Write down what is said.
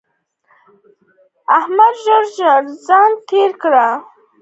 احمده! ژر ژر ځان تيار کړه؛ ناوخته دی.